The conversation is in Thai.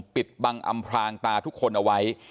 ปิดบังอำพรางตาทุกคนเอาไว้